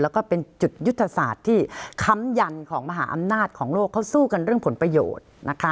แล้วก็เป็นจุดยุทธศาสตร์ที่ค้ำยันของมหาอำนาจของโลกเขาสู้กันเรื่องผลประโยชน์นะคะ